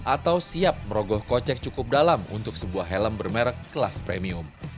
atau siap merogoh kocek cukup dalam untuk sebuah helm bermerek kelas premium